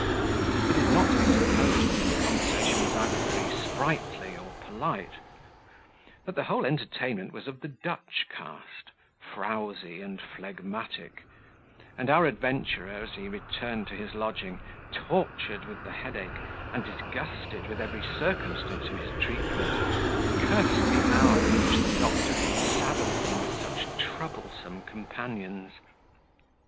It is not to be supposed that the conversation was either very sprightly or polite; that the whole entertainment was of the Dutch cast frowzy and phlegmatic; and our adventurer, as he returned to his lodging, tortured with the headache, and disgusted with every circumstance of his treatment, cursed the hour in which the doctor had saddled them with such troublesome companions.